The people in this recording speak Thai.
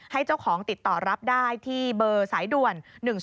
ให้เจ้าของติดต่อรับได้ที่เบอร์สายด่วน๑๒